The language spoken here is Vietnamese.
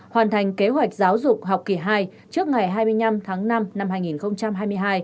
hoàn thành kế hoạch giáo dục học kỳ hai trước ngày hai mươi năm tháng năm năm hai nghìn hai mươi hai